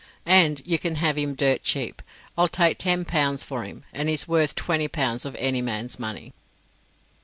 And you can have him dirt cheap. I'll take ten pounds for him, and he's worth twenty pounds of any man's money."